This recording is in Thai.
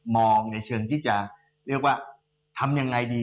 ในเชิงที่จะเรียกว่าทำยังไงดี